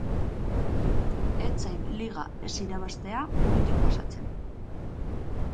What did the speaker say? Ez zait liga ez irabaztea burutik pasatzen.